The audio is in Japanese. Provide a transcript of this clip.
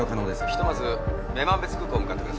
ひとまず女満別空港向かってください。